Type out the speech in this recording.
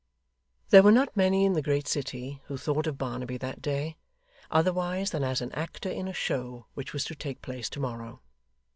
There were not many in the great city who thought of Barnaby that day, otherwise than as an actor in a show which was to take place to morrow.